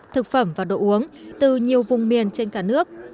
thực phẩm và đồ uống từ nhiều vùng miền trên cả nước